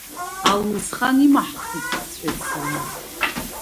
Алмысхан имаҳхит, — сҳәеит сара.